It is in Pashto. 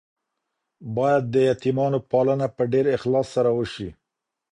باید د یتیمانو پالنه په ډیر اخلاص سره وشي.